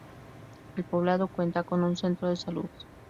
El poblado cuenta con un Centro de Salud.